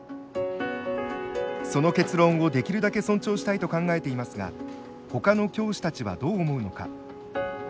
その結論をできるだけ尊重したいと考えていますがほかの教師たちはどう思うのか。